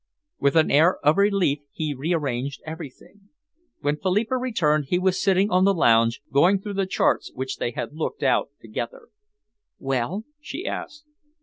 With an air of relief he rearranged everything. When Philippa returned, he was sitting on the lounge, going through the charts which they had looked out together. "Well?" she asked.